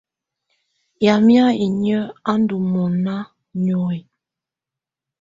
Yamɛ̀á inyǝ́ á ndù mɔna niohi.